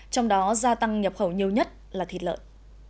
trong đó gia tăng nhập khẩu nhiều nhất là thịt lợn